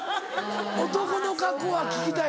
男の過去は聞きたい。